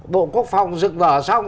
bộ quốc phòng dựng vở xong